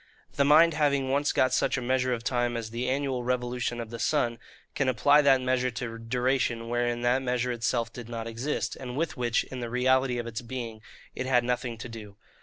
The mind having once got such a measure of time as the annual revolution of the sun, can apply that measure to duration wherein that measure itself did not exist, and with which, in the reality of its being, it had nothing to do.